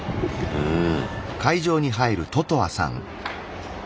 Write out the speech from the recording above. うん。